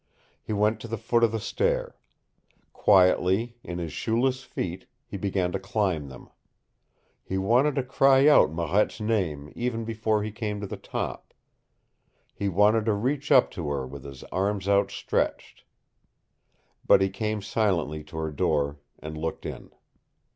He went to the foot of the stair. Quietly, in his shoeless feet, he began to climb them. He wanted to cry out Marette's name even before he came to the top. He wanted to reach up to her with his arms outstretched. But he came silently to her door and looked in.